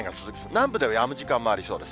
南部ではやむ時間もありそうです。